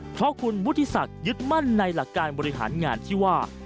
เพราะคุณวุฒิศักดิ์ยึดมั่นในหลักการบริหารงานที่ว่า